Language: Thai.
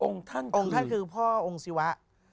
องค์ท่านคือองค์ท่านคือพ่อองค์ศิวะ